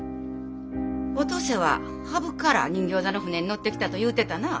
お登勢は土生から人形座の船に乗ってきたと言うてたな。